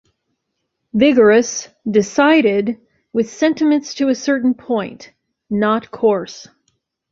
Vigorous, decided, with sentiments to a certain point; not coarse.